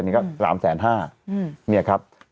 มีแถลงข่าวด้วยอันนี้ก็๓๕๐๐๐๐๐บาท